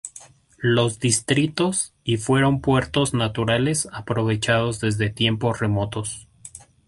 Los distritos y fueron puertos naturales aprovechados desde tiempos remotos.